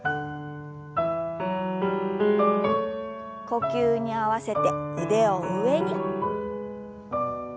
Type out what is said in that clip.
呼吸に合わせて腕を上に。